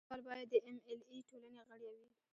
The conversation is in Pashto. لیکوال باید د ایم ایل اې ټولنې غړی وي.